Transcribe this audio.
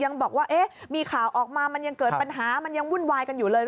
ยังบอกว่าเอ๊ะมีข่าวออกมามันยังเกิดปัญหามันยังวุ่นวายกันอยู่เลย